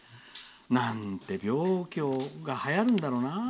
なんて病気がはやるんだろうな。